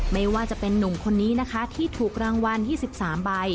ไม่ว่าจะเป็นนุ่มคนนี้นะคะที่ถูกรางวัล๒๓ใบ